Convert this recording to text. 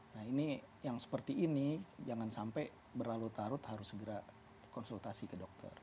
nah ini yang seperti ini jangan sampai berlalu tarut harus segera konsultasi ke dokter